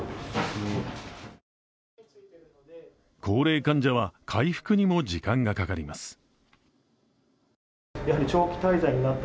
高齢患者は回復にも時間がかかります。